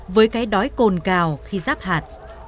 với cái đói cồn cào khi ráp hạt